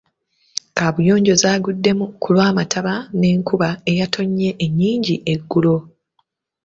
Kaabuyonjo zaaguddemu ku lw'amataba n'enkuba eyatonnye ennyingi eggulo.